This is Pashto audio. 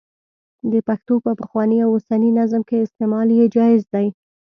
د پښتو په پخواني او اوسني نظم کې استعمال یې جائز دی.